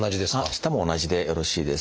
舌も同じでよろしいです。